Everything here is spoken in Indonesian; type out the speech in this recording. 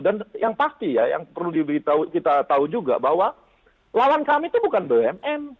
dan yang pasti ya yang perlu kita tahu juga bahwa lawan kami tuh bukan bmm